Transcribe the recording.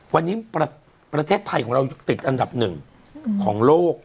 วันนี้ประเทศไทยของเราติดอันดับหนึ่งของโลก